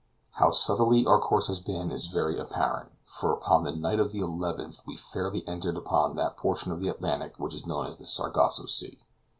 How southerly our course has been is very apparent; for upon the night of the 11th we fairly entered upon that portion of the Atlantic which is known as the Sargasso Sea.